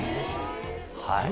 はい！